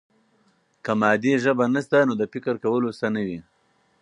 که مادي ژبه نسته، نو د فکر کولو څه نه وي.